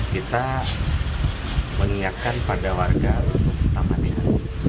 kita mengingatkan pada warga untuk tamatnya